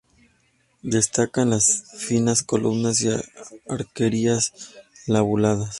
Destacan las finas columnas y arquerías lobuladas.